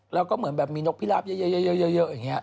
แล้วก็เหมือนแบบมีนกพิราบเยอะอย่างนี้